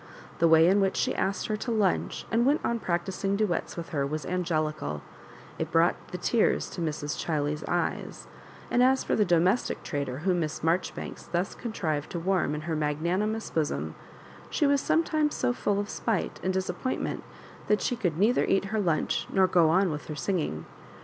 The way in which she asked her to lunch and went on prac tising duets with her was angelical — it brought the tears to Mrs. Chiley's eyes ; and as for the domestic traitor whom Miss Marjoribanks thus contrived to warm in her magnanimous bosom, she was sometimes so full of spite and disap pointment that she could neither eat her lunch nor go on with her singing.